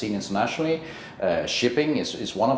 makanan dan pengembangan